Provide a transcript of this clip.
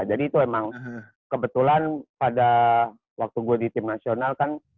jadi itu emang kebetulan pada waktu gue di tim nasional kan